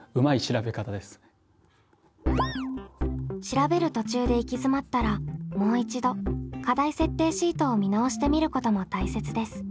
調べる途中で行き詰まったらもう一度課題設定シートを見直してみることも大切です。